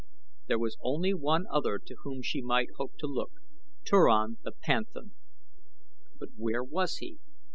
There was only one other to whom she might hope to look Turan the panthan; but where was he?